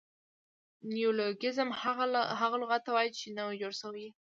نیولوګیزم هغه لغت ته وایي، چي نوي جوړ سوي يي.